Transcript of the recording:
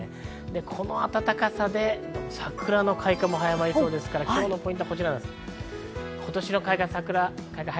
この暖かさで桜の開花も早まりそうですから、今日のポイントはこちらです。